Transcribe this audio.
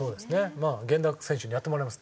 まあ源田選手にやってもらいます。